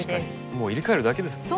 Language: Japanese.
もう入れ替えるだけですもんね。